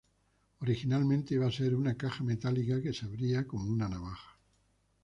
Originalmente iba a ser una caja metálica que se abría como una navaja.